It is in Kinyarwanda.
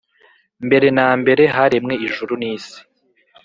Mbere na mbere haremwe ijuru nisi